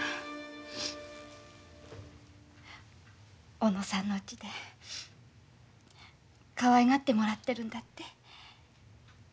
小野さんのうちでかわいがってもらってるんだって？